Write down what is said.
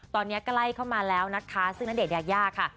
ตอนนี้ใกล้เข้ามาแล้วนะคะซึ่งณเดชนยายาค่ะ